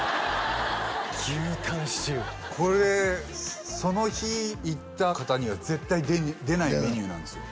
牛タンシチューこれその日行った方には絶対出ないメニューなんですよ